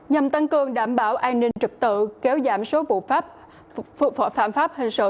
nhằm tăng cường đảm bảo an ninh trực tự kéo giảm số phạm pháp hình sự